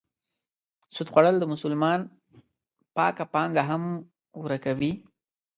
سود خوړل د مسلمان پاکه پانګه هم ورکوي.